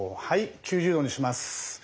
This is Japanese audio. ９０度にします。